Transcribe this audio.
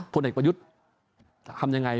พนักประยุทธี์ทำยังไง